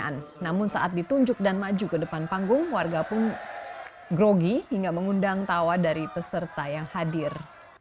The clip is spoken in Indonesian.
namun saat ditunjuk dan maju ke depan panggung warga pun grogi hingga mengundang tawa dari peserta yang hadir